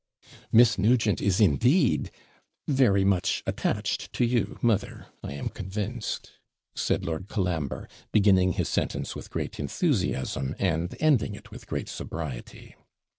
'Miss Nugent is indeed very much attached to you, mother, I am convinced,' said Lord Colambre, beginning his sentence with great enthusiasm, and ending it with great sobriety.